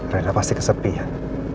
rena pasti kesepian